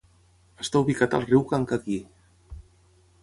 Està ubicat al riu Kankakee.